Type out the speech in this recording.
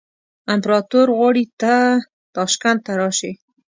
امپراطور غواړي ته تاشکند ته راشې.